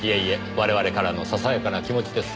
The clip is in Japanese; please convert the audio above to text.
我々からのささやかな気持ちです。